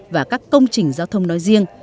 và các công trình giao thông nói riêng